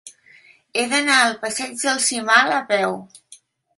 He d'anar al passeig del Cimal a peu.